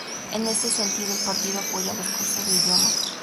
En este sentido, el partido apoya a los cursos de idiomas.